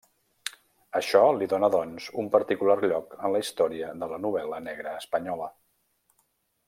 Això li dóna doncs un particular lloc en la història de la novel·la negra espanyola.